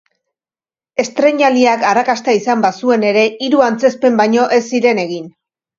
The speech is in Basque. Estreinaldiak arrakasta izan bazuen ere, hiru antzezpen baino ez ziren egin.